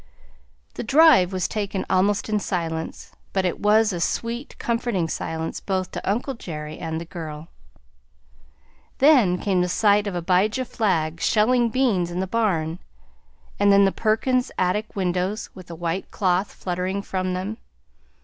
The drive was taken almost in silence, but it was a sweet, comforting silence both to uncle Jerry and the girl. Then came the sight of Abijah Flagg shelling beans in the barn, and then the Perkins attic windows with a white cloth fluttering from them.